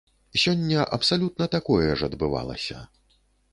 Сёння абсалютна такое ж адбывалася.